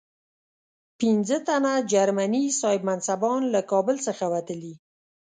پنځه تنه جرمني صاحب منصبان له کابل څخه وتلي.